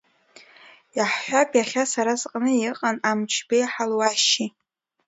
Иаҳҳәап, иахьа сара сҟны иҟан Амҷбеи Ҳалуашьи.